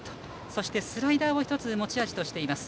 そして、スライダーを持ち味としています。